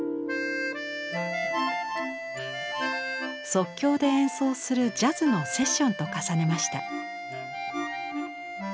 即興で演奏するジャズのセッションと重ねました。